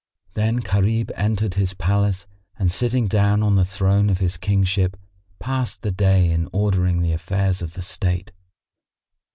Then Gharib entered his palace and sitting down on the throne of his kingship, passed the day in ordering the affairs of the state.